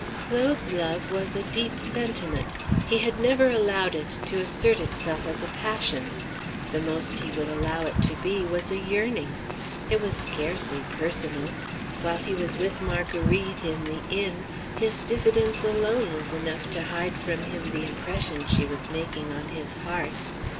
Claude's love was a deep sentiment. He had never allowed it to assert itself as a passion. The most he would allow it to be was a yearning. It was scarcely personal. While he was with Marguerite, in the inn, his diffidence alone was enough to hide from him the impression she was making on his heart.